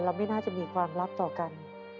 ไม่น่าจะมีความลับต่อกัน